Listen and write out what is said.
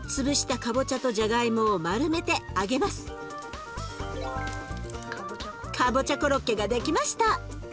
かぼちゃコロッケが出来ました。